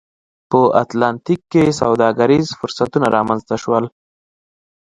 په اتلانتیک کې سوداګریز فرصتونه رامنځته شول.